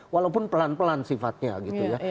walaupun pelan pelan sifatnya gitu ya